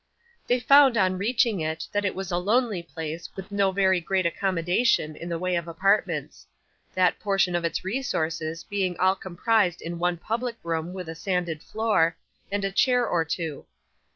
They found on reaching it, that it was a lonely place with no very great accommodation in the way of apartments that portion of its resources being all comprised in one public room with a sanded floor, and a chair or two.